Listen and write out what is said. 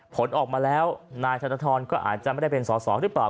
ผลออกมาแล้วนายธนทรก็อาจจะไม่ได้เป็นสอสอหรือเปล่า